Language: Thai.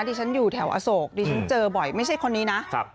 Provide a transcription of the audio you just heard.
ที่ฉันอยู่แถวอโศกดิฉันเจอบ่อยไม่ใช่คนนี้นะ